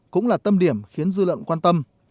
cũng là tâm điểm khiến dư lận quan tâm